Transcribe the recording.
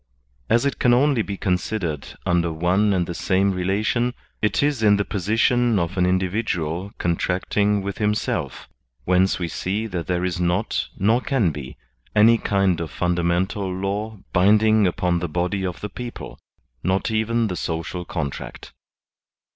As it can only be considered under one and the same rela tion, it is in the position of an individual contracting with himself; whence we see that there is not, nor can be, any kind of fundamental law binding upon the body of the people, not even the social contract.